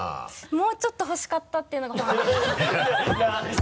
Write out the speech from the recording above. もうちょっとほしかったっていうのが本音です。